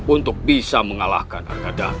untuk bisa mengalahkan argadan